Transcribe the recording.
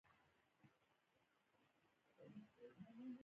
رحمان ذات مي ملګری دئ! تل زما سره مرسته کوي.